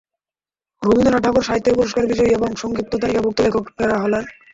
রবীন্দ্রনাথ ঠাকুর সাহিত্যের পুরস্কার বিজয়ী এবং সংক্ষিপ্ত তালিকাভুক্ত লেখকেরা হলেন।